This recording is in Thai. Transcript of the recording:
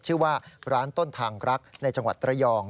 ชื่อว่าร้านต้นทางรักในจังหวัดระยอง